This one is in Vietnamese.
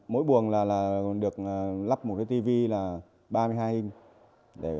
mỗi buồng được lắp một cái tv là ba mươi hai inch